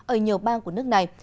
ở nhiều bang của nước này